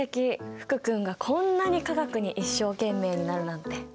福君がこんなに化学に一生懸命になるなんて。